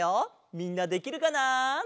みんなできるかな？